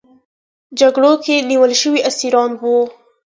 جګړو کې نیول شوي اسیران وو.